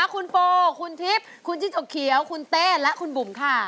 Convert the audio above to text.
คุณโฟคุณทิพย์คุณจิ้งจกเขียวคุณเต้และคุณบุ๋มค่ะ